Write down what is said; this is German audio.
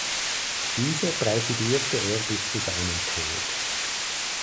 Diese präsidierte er bis zu seinem Tod.